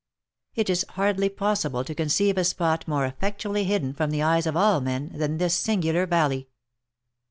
It is hardly possible to conceive a spot more effectually hidden from the eyes of all men, than this singular valley.